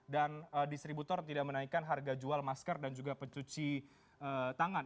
dan distributor tidak menaikkan harga jual masker dan juga pencuci tangan